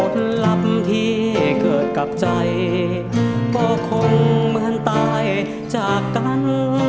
ลำที่เกิดกับใจก็คงเหมือนตายจากกัน